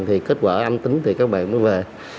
thì kết quả âm tính thì các bạn mới về